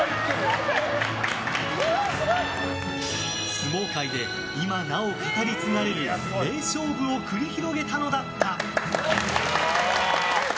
相撲界で今なお語り継がれる名勝負を繰り広げたのだった。